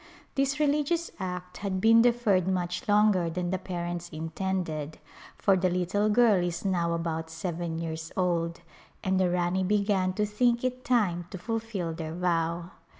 This religious act had been deferred much longer than the parents intended, for the little girl is now about seven years old, and the Rani began to think it time to fulfill their vow.